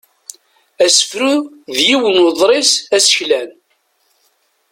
Asefru d yiwen n uḍris aseklan.